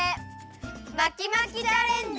まきまきチャレンジ！